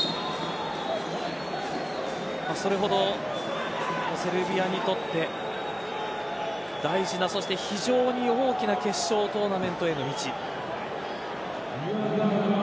それほどセルビアにとって大事な、そして非常に大きな決勝トーナメントへの道。